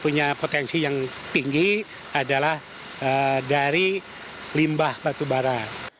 punya potensi yang tinggi adalah dari limbah batubara